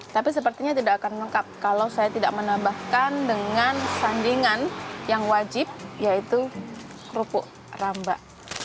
tapi sepertinya tidak akan lengkap kalau saya tidak menambahkan dengan sandingan yang wajib yaitu kerupuk ramba